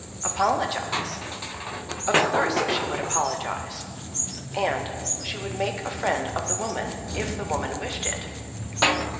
Apologise! Of course she would apologise. And she would make a friend of the woman if the woman wished it.